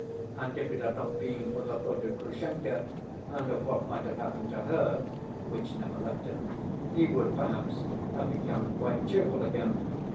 And if it had not been for the thought of Grushenka and of what might have happened to her, which never left him, he would perhaps have become quite cheerful again....